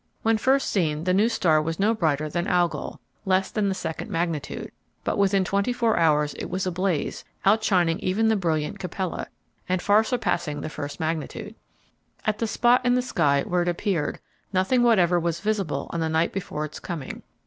When first seen the new star was no brighter than Algol (less than the second magnitude), but within twenty four hours it was ablaze, outshining even the brilliant Capella, and far surpassing the first magnitude. At the spot in the sky where it appeared nothing whatever was visible on the night before its coming.